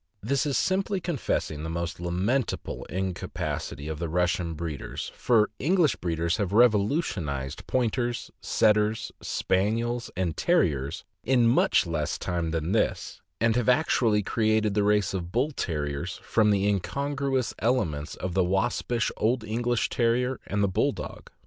This is simply confessing the most lamentable incapacity of the Russian breeders, for English breeders have revolu tionized Pointers, Setters, Spaniels, and Terriers in much less time than this, and have actually created the race of Bull Terriers from the incongruous elements of the waspish old English Terrier and the Bulldog.